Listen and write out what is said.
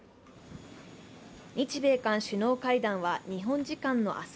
日米韓首脳会談は日本時間の明日